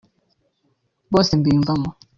bose mbiyumvamo